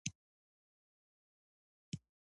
خو د مجلس پر مهال به ډېرې خبرې کولې.